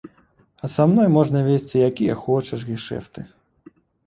А са мною можна весці якія хочаш гешэфты.